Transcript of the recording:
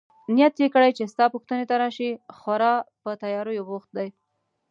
نیت يې کړی چي ستا پوښتنې ته راشي، خورا په تیاریو بوخت دی.